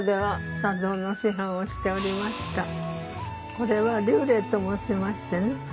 これは立礼と申しましてね